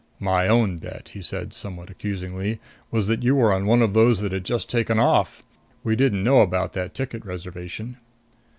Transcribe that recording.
"My own bet," he said, somewhat accusingly, "was that you were one of those that had just taken off. We didn't know about that ticket reservation."